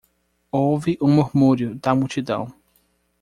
Houve um murmúrio da multidão.